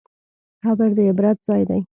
قبر د عبرت ځای دی.